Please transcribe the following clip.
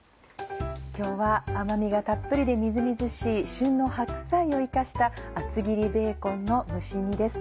今日は甘みがたっぷりでみずみずしい旬の白菜を生かした厚切りベーコンの蒸し煮です。